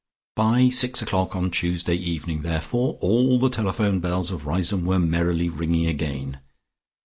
By six o'clock on Tuesday evening therefore all the telephone bells of Riseholme were merrily ringing again.